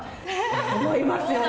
思いますよね。